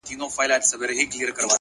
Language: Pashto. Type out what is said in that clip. لذت پروت وي _